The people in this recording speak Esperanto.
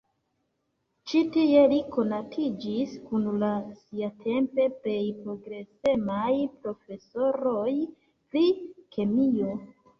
Ĉi-tie li konatiĝis kun la siatempe plej progresemaj profesoroj pri kemio.